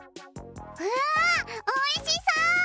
うわあおいしそう！